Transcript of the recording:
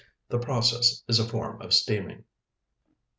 The process is a form of steaming.